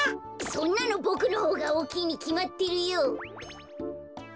そんなのボクのほうがおおきいにきまってるよ。